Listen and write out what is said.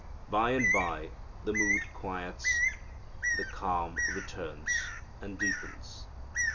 By and by the mood quiets, the calm returns and deepens.